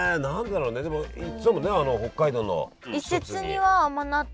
でも言ってたもんね北海道の。